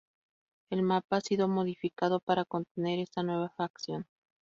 El Mapa ha sido modificado para contener esta nueva facción.